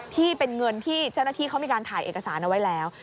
ที่เป็นเงินที่เจ้าหน้าที่เขามีการถ่ายเอกสารเอาไว้แล้ว